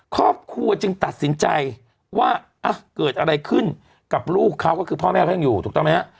ครอบครัวจึงตัดสินใจว่าเกิดอะไรขึ้นกับลูกเขาก็คือพ่อแม่เขายังอยู่ถูกต้องไหมฮะ